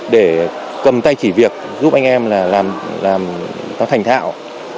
để cầm tay chỉ việc giúp anh em làm thành thạo